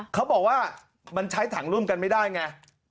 เขาบอกว่ามันใช้ถังร่วมกันไม่ได้ไง